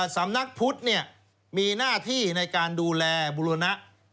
สำนักพุทธมีหน้าที่ในการดูแลบุรณะ